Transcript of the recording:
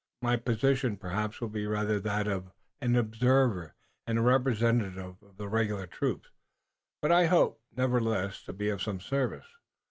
My position perhaps will be rather that of an observer and representative of the regular troops, but I hope, nevertheless, to be of some service.